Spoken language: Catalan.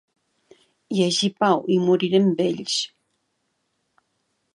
Hi hagi pau i morirem vells.